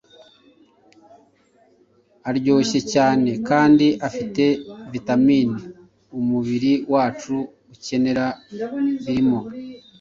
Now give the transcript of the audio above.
aryoshye cyane kandi afite vitamini umubiri wacu ukenera. Birimo